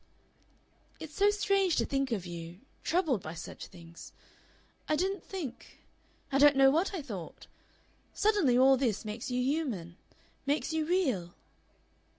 "It's so strange to think of you troubled by such things. I didn't think I don't know what I thought. Suddenly all this makes you human. Makes you real."